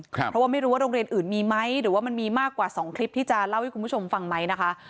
เพราะว่าไม่รู้ว่าโรงเรียนอื่นมีไหมหรือว่ามันมีมากกว่า๒คลิปที่จะเล่าให้คุณผู้ชมฟังไหมนะคะ